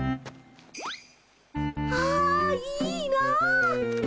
あいいな。